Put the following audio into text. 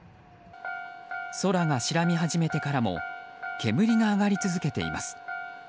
空が白み始めてからも煙が上がり続けています。